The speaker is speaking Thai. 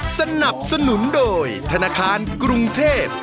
สนับสนุนโดยธนาคารกรุงเทพ